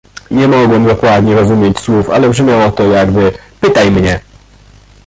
"Nie mogłem dokładnie rozumieć słów, ale brzmiało to jakby: „Pytaj mnie!"